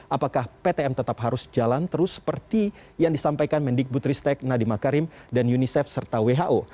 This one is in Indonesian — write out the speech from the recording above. apakah ptm tetap harus jalan terus seperti yang disampaikan mendikbud ristek nadiemak karim dan unicef serta who